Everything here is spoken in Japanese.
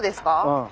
うん。